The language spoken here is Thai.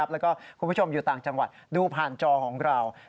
แล้วก็คุณผู้ชมอยู่ต่างจังหวัดดูผ่านจอของเรา